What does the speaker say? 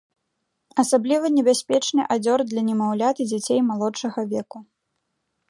Асабліва небяспечны адзёр для немаўлят і дзяцей малодшага веку.